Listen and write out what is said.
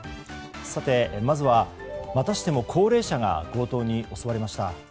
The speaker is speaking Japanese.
まずは、またしても高齢者が強盗に襲われました。